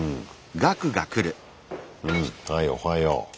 はいおはよう。